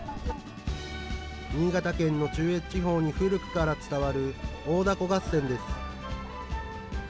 新潟県の中越地方に古くから伝わる大凧合戦です。